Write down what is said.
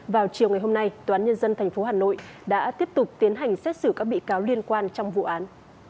vào chiều ngày hôm nay tòa án nhân dân thành phố hà nội đã tiếp tục tiến hành xét xử các bị cáo liên quan trong vụ án